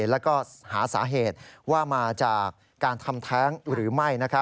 แล้วก็หาสาเหตุว่ามาจากการทำแท้งหรือไม่